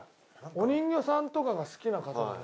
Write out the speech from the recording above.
お人形さんとかが好きな方だね。